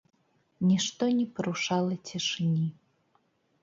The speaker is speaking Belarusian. Нішто не парушала цішыні.